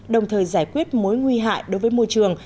đồng thời giải quyết mối nguy hại đối với môi trường